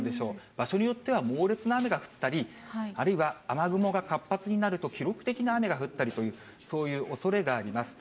場所によっては、猛烈な雨が降ったり、あるいは雨雲が活発になると、記録的な雨が降ったりという、そういうおそれがあります。